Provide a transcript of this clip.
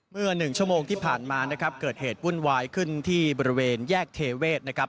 เมื่อ๑ชั่วโมงที่ผ่านมานะครับเกิดเหตุวุ่นวายขึ้นที่บริเวณแยกเทเวศนะครับ